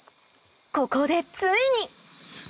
ここでついに！